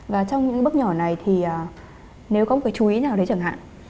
và trong những bước nhỏ này thì nếu có một cái chú ý nào đấy chẳng hạn